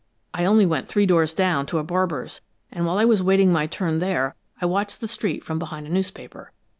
I only went three doors down, to a barber's, and while I was waiting my turn there I watched the street from behind a newspaper.